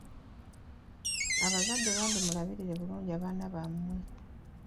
Abazadde bambi mulabirire bulungi abaana bammwe.